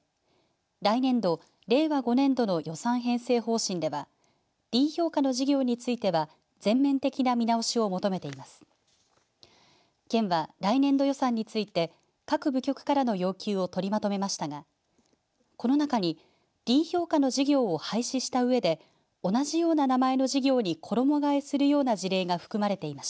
来年度、令和５年度の予算編成方針ではＤ評価の事業については全面的な見直しを求めています。